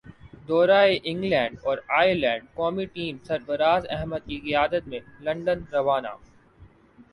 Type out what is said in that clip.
دورہ انگلینڈ اور ائرلینڈ قومی ٹیم سرفرازاحمد کی قیادت میں لندن روانہ